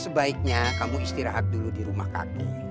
sebaiknya kamu istirahat dulu di rumah kaki